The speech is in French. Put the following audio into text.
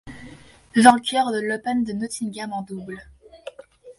Vainqueur de l'Open de Nottingham en double.